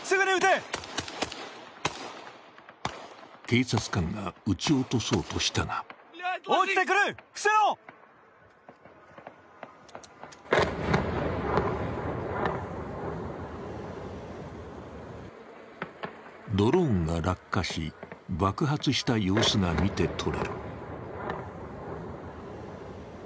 警察官が撃ち落とそうとしたがドローンが落下し爆発した様子が見て取れる。